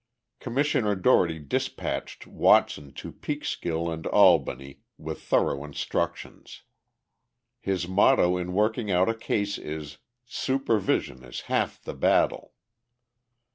Commissioner Dougherty dispatched Watson to Peekskill and Albany with thorough instructions. His motto in working out a case is, "Supervision is half the battle."